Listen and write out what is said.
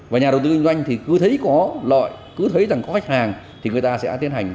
và nhà đầu tư kinh doanh cứ thấy có loại cứ thấy có khách hàng thì người ta sẽ tiến hành